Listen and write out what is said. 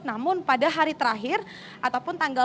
namun pada hari terakhir ataupun tanggal